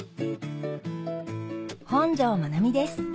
本上まなみです